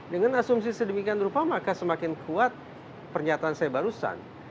dengan asumsi sedemikian rupa maka semakin kuat pernyataan saya barusan